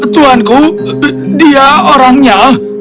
tuhanku dia orangnya